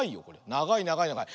ながいながいながい。